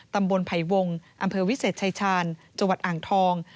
ตำบลไผวงอำเภอวิเศษชายชาญจังหวัดอังทอง